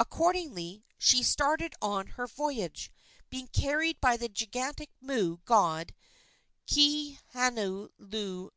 Accordingly, she started on her voyage, being carried by the gigantic moo god, Kihanuilulumoku.